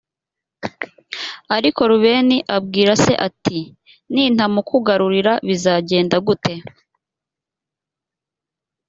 ariko rubeni abwira se ati “nintamukugarurira bizagenda gute?”